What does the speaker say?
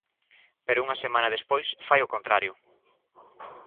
Pero unha semana despois fai o contrario!